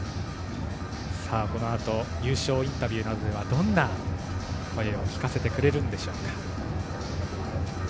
このあと、優勝インタビューではどんな声を聞かせてくれるんでしょうか。